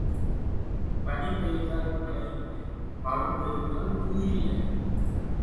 பனி பெய்தால் மழை இல்லை, பழம் இருந்தால் பூ இல்லை.